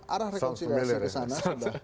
arah rekonsiliasi kesana